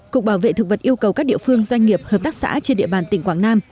cục bảo vệ thực vật yêu cầu các địa phương doanh nghiệp hợp tác xã trên địa bàn tỉnh quảng nam